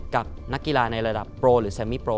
กับนักกีฬาในระดับโปรหรือแซมมี่โปร